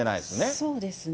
そうですね。